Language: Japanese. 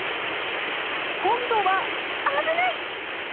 今度は危ない！